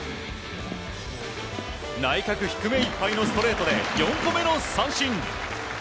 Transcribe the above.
内角低めいっぱいのストレートで４個目の三振。